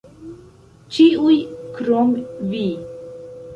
Ĉiuj krom Vi.